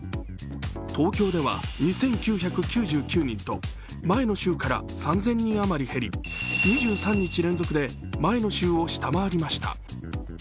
東京では２９９９人と前の週から３０００人余り減り２３日連続で前の週を下回りました。